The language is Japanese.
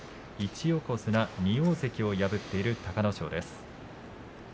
１横綱２大関を破っている隆の勝です。